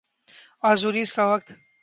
Azores کا وقت